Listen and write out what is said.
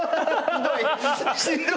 ひどい！